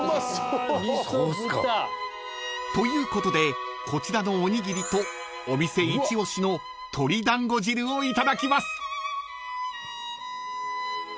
［ということでこちらのおにぎりとお店イチオシの鶏団子汁をいただきます］